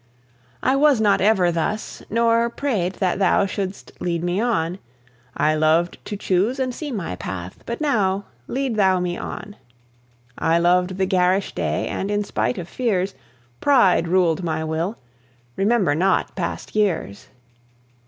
I was not ever thus, nor prayed that Thou Shouldst lead me on; I loved to choose and see my path; but now Lead Thou me on. I loved the garish day; and, spite of fears, Pride ruled my will: remember not past years.